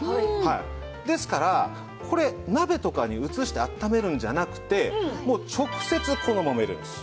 ですからこれ鍋とかに移して温めるんじゃなくてもう直接このまま入れるんです。